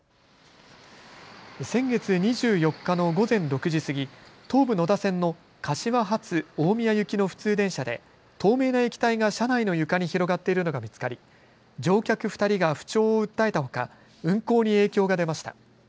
先月２４日の午前６時過ぎ、東武野田線の柏発大宮行きの普通電車で透明な液体が車内の床に広がっているのが見つかり乗客２人が不調を訴えたほか運行に影響が出ました。